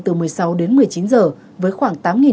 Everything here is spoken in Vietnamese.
từ một mươi sáu đến một mươi chín h với khoảng